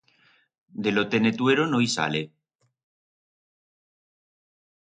De lo Tenetuero no i sale.